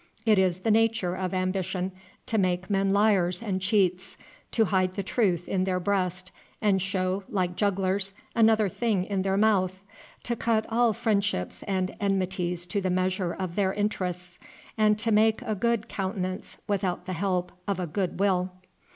It is the nature of ambition to make men liars and cheats, to hide the truth in their breast, and show, like jugglers, another thing in their mouth; to cut all friendships and enmities to the measure of their interests, and to make a good countenance without the help of a good will.